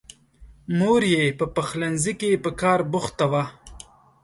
مور یې په پخلنځي کې په کار بوخته وه.